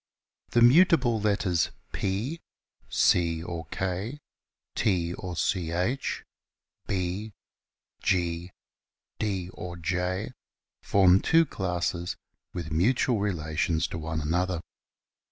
The mutable letters, P, C or K t T or Ch ; B, G, D or / form two classes, with mutual relations to one another.